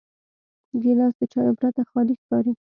ګیلاس د چایو پرته خالي ښکاري.